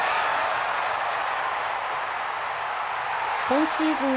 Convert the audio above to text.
今シーズン